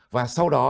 và sau đó